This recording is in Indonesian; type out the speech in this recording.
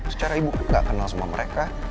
secara ibu gak kenal sama mereka